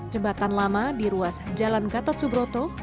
jembatan lama di ruas jalan gatot subroto